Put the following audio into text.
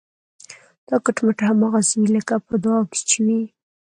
دا کټ مټ هماغسې وي لکه په دعا کې چې وي.